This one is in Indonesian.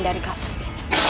dari kasus ini